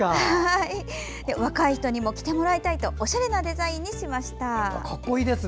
若い人にも着てもらいたいとおしゃれなデザインにしました。